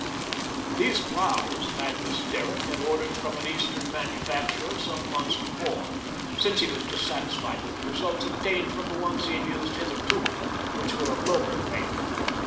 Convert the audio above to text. These ploughs Magnus Derrick had ordered from an Eastern manufacturer some months before, since he was dissatisfied with the results obtained from the ones he had used hitherto, which were of local make.